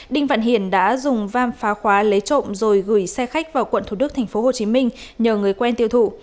đinh văn hiển đã dùng vam phá khóa lấy trộm rồi gửi xe khách vào quận thủ đức tp hcm nhờ người quen tiêu thụ